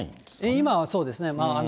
今はそうですね。